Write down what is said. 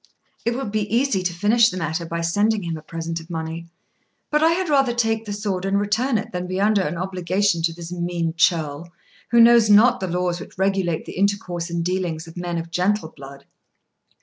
It would be easy to finish the matter by sending a present of money; but I had rather take the sword and return it than be under an obligation to this mean churl, who knows not the laws which regulate the intercourse and dealings of men of gentle blood."